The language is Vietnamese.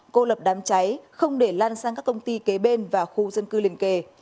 cô lập đám cháy không để lan sang các công ty kế bên và khu dân cư liên kề